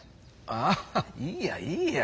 あいいよいいよ。